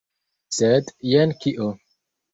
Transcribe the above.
Sed jen kio!